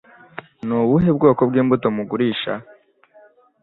Ni ubuhe bwoko bw'imbuto mugurisha?